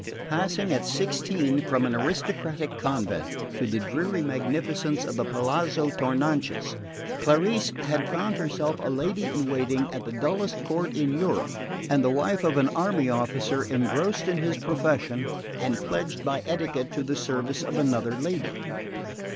Passing at sixteen from an aristocratic convent to the dreary magnificence of the Palazzo Tournanches, Clarice had found herself a lady in waiting at the dullest court in Europe and the wife of an army officer engrossed in his profession, and pledged by etiquette to the service of another lady.